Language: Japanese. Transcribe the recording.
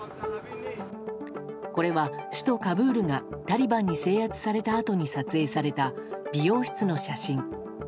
これは首都カブールがタリバンに制圧されたあとに撮影された美容室の写真。